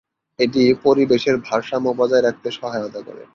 এটি পরিবেশের ভারসাম্য বজায় রাখতে সহায়তা করে।